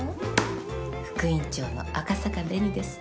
副院長の赤坂紅です。